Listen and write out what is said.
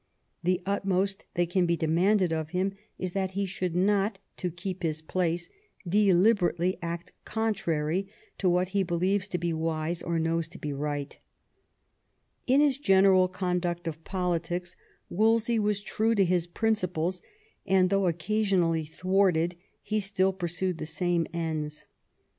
The utmost that can be demanded of him is that he should not, to keep his place, deliberately act contrary to what he believes to be wise or knows to be right In his general conduct of politics Wolsey was true to his principles, and though occasionally thwarted, he still pursued the same ends.